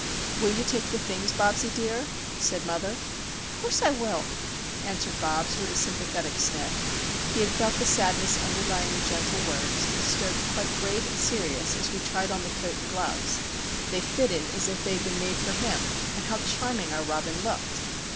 "Will you take the things, Bobsie dear?" said mother. "'Course I will," answered Bobs with a sympathetic sniff. He had felt the sadness underlying the gentle words, and stood quite grave and serious as we tried on the coat and gloves. They fitted as if they had been made for him, and how charming our Robin looked!